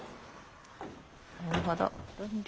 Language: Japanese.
なるほど。